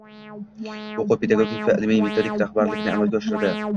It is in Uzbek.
o`quv-pedagogik va ilmiy-metodik rahbarlikni amalga oshiradi.